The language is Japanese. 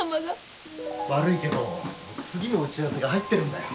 悪いけど次の打ち合わせが入ってるんだよ。